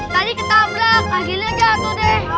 tadi ketabrak agilnya jatuh deh